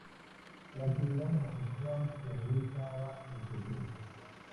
La actividad homosexual se realizaba en secreto.